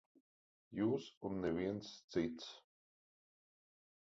Jūs un neviens cits.